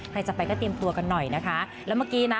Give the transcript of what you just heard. ใครจะไปก็เตรียมตัวกันหน่อยนะคะแล้วเมื่อกี้นะ